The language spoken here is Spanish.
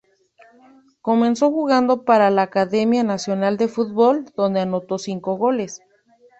Comenzó jugando para la Academia nacional de fútbol, donde anotó cinco goles.